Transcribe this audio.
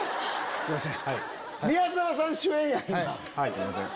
すいません。